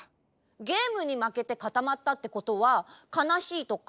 ゲームにまけてかたまったってことはかなしいとか？